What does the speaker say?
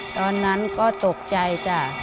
ตอนนั้นก็ตกใจจ้ะ